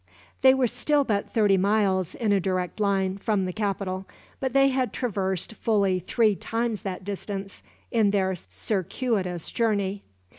They were still but thirty miles, in a direct line, from the capital; but they had traversed fully three times that distance, in their circuitous journey.